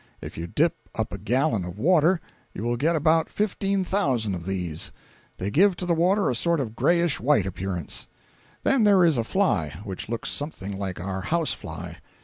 If you dip up a gallon of water, you will get about fifteen thousand of these. They give to the water a sort of grayish white appearance. Then there is a fly, which looks something like our house fly.